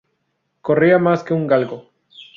Corría más que un galgo